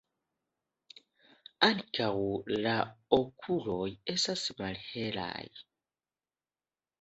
Ankaŭ la okuloj estas malhelaj.